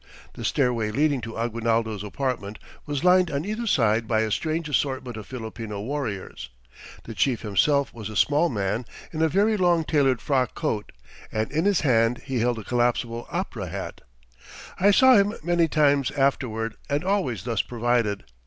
The stairway leading to Aguinaldo's apartment was lined on either side by a strange assortment of Filipino warriors. The Chief himself was a small man in a very long tailed frock coat, and in his hand he held a collapsible opera hat. I saw him many times afterward and always thus provided.